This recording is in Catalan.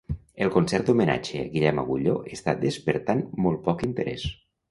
El concert d'homenatge a Guillem Agulló està despertant molt poc interès